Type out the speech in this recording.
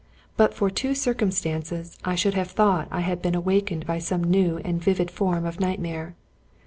But for two circumstances, I should have thought I had been awakened by some new and vivid form of nightmare.